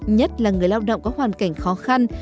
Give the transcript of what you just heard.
nhất là người lao động có hoàn cảnh khó khăn